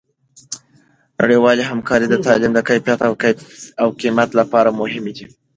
نړیوالې همکارۍ د تعلیم د کیفیت او کمیت لپاره مهمې دي.